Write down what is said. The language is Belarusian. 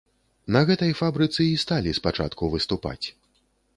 На гэтай фабрыцы і сталі спачатку выступаць.